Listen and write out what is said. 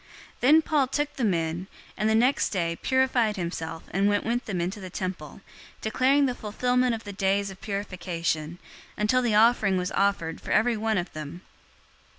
021:026 Then Paul took the men, and the next day, purified himself and went with them into the temple, declaring the fulfillment of the days of purification, until the offering was offered for every one of them.